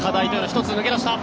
１つ抜け出した。